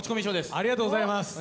ありがとうございます。